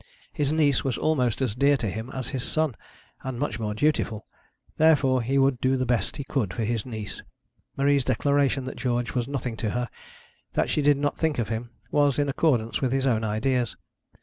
His niece was almost as dear to him as his son, and much more dutiful. Therefore he would do the best he could for his niece. Marie's declaration that George was nothing to her, that she did not think of him, was in accordance with his own ideas.